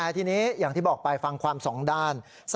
แต่ทีนี้อย่างที่บอกว่าเธอโดนกาดทำร้ายร่างกายนะฮะ